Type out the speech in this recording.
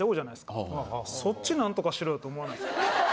そっち何とかしろよと思わないですか？